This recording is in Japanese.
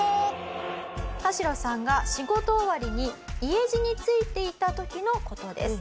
タシロさんが仕事終わりに家路についていた時の事です。